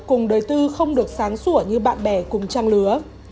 cùng đời tư không được sáng sủa như bạn bè cùng trang lứa